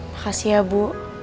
makasih ya bu